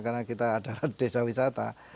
karena kita adalah desa wisata